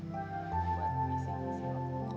masa sih mbak serius